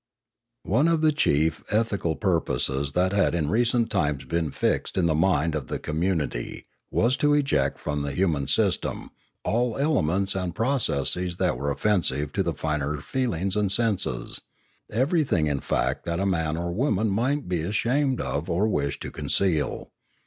One of the chief ethical purposes that had in recent times been fixed in the mind of the community was to eject from the human system all elements and processes that were offensive to the finer feelings and senses, everything in fact that a man or woman might be ashamed of or wish to conceal.